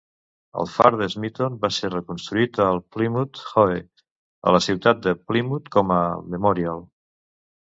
El far de Smeaton va ser reconstruït al Plymouth Hoe,a la ciutat de Plymouth, com a memorial.